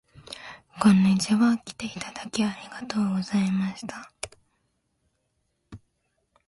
こんにちは。きていただいてありがとうございました